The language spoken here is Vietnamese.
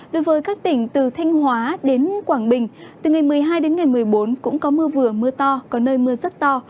đối với các tỉnh từ thanh hóa đến quảng bình từ ngày một mươi hai đến ngày một mươi bốn cũng có mưa vừa mưa to có nơi mưa rất to